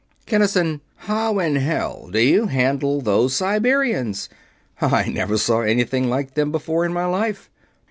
"Kinnison, how in hell do you handle those Siberians? I never saw anything like them before in my life."